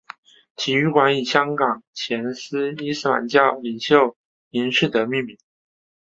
体育馆以香港前伊斯兰教领袖林士德命名。